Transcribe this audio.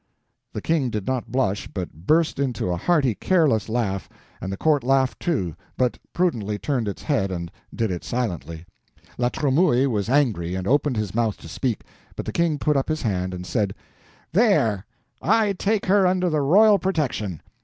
The King did not blush, but burst into a hearty, careless laugh, and the court laughed too, but prudently turned its head and did it silently. La Tremouille was angry, and opened his mouth to speak, but the King put up his hand, and said: "There—I take her under the royal protection.